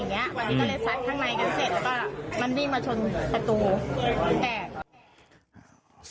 วันนี้ก็เลยซัดข้างในกันเสร็จแล้วก็มันวิ่งมาชนประตูแตก